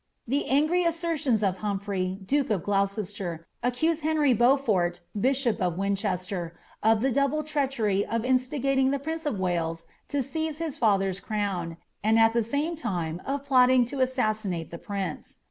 The angry assertions of Humphrey, duke of Glnncester,' Henry Beaufort, bishop of Winchester, of the double treachery gating the prince of VVulea to seize hia father's crown, and at ib«. lime of plotting lo assassinate the prince.